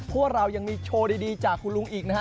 พวกเรายังมีโชว์ดีจากคุณลุงอีกนะฮะ